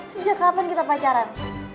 sejak kapan kita pacaran